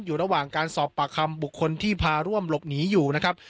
อยู่ระหว่างการสอบปากคำบุคคลที่พาร่วมหลบหนีอยู่นะครับ